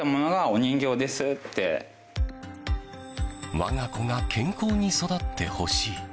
我が子が健康に育ってほしい。